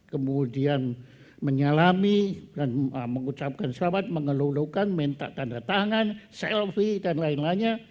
kemudian menyalami dan mengucapkan selamat mengelulukan minta tanda tangan selfie dan lain lainnya